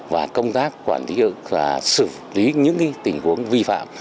và công tác quản lý và xử lý những tình huống vi phạm